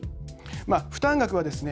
負担額はですね